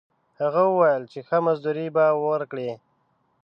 هغه وویل چې ښه مزدوري به ورکړي.